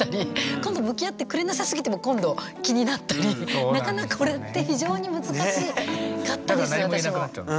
今度向き合ってくれなさすぎても今度気になったりなかなかこれってだから何も言えなくなっちゃう。